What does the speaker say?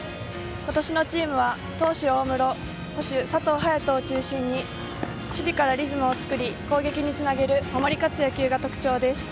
今年のチームは投手・大室捕手・佐藤颯人を中心に守備からリズムを作り攻撃につなげる守り勝つ野球が特徴です。